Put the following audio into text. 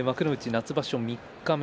夏場所三日目